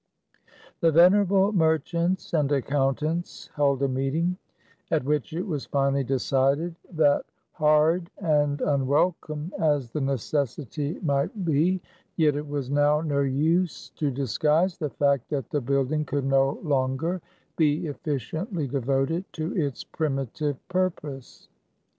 The venerable merchants and accountants held a meeting, at which it was finally decided, that, hard and unwelcome as the necessity might be, yet it was now no use to disguise the fact, that the building could no longer be efficiently devoted to its primitive purpose.